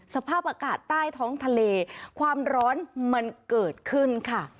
สภาพอากาศใต้ท้องทะเลความร้อนมันเกิดขึ้นค่ะ